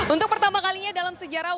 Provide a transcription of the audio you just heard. untuk pertama kalinya dalam sejarah